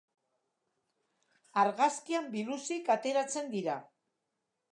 Argazkian biluzik ateratzen dira.